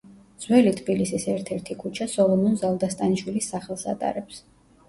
ძველი თბილისის ერთ-ერთი ქუჩა სოლომონ ზალდასტანიშვილის სახელს ატარებს.